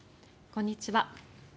こんにちは。